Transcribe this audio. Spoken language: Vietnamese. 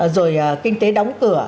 rồi kinh tế đóng cửa